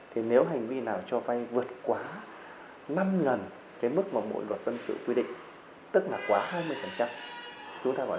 thì nếu hành vi nào cho vay vượt quá năm lần cái mức mà mỗi luật dân sự quy định